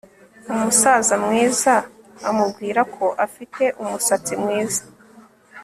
Umusaza mwiza amubwira ko afite umusatsi mwiza